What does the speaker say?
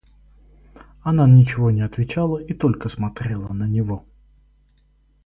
Она ничего не отвечала и только смотрела на него.